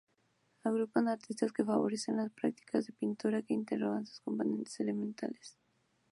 Agrupa artistas que favorecen la práctica de la pintura que interroga sus componentes elementales.